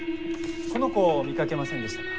この子見かけませんでしたか？